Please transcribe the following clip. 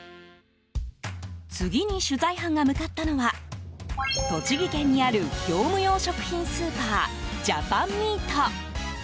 次に、取材班が向かったのは栃木県にある業務用食品スーパージャパンミート。